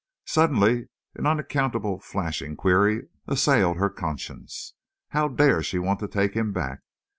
Suddenly an unaccountable flashing query assailed her conscience: How dare she want to take him back?